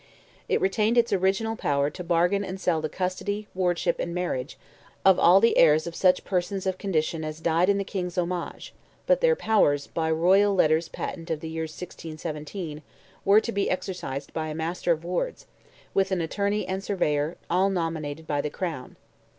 It retained its original power "to bargain and sell the custody, wardship and marriage," of all the heirs of such persons of condition as died in the King's homage; but their powers, by royal letters patent of the year 1617, were to be exercised by a Master of Wards, with an Attorney and Surveyor, all nominated by the Crown.